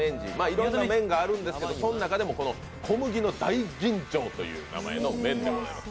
いろんな麺があるんですけどその中でも小麦の大吟醸という名前の麺でございます。